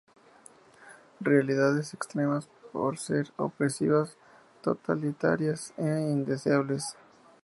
Realidades extremas por ser opresivas, totalitarias e indeseables.